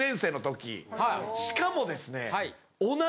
しかもですね。